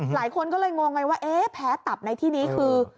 หลายคนก็เลยงงไงว่าเอ๊ะแพ้ตับในที่นี้คือ